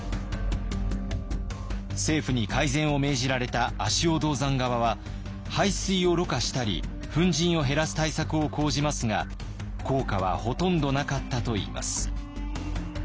政府に改善を命じられた足尾銅山側は排水をろ過したり粉じんを減らす対策を講じますが効果はほとんどなかったといいます。